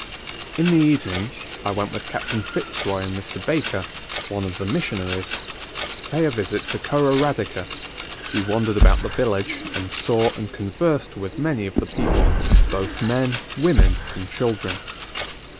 In the evening I went with Captain Fitz Roy and Mr. Baker, one of the missionaries, to pay a visit to Kororadika: we wandered about the village, and saw and conversed with many of the people, both men, women, and children.